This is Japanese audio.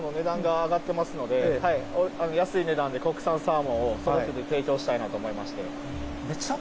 今、輸入のサーモンの値段が上がってますので、安い値段で国産サーモンを育てて提供したいなと思いまして。